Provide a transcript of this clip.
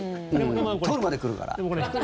撮るまで来るから。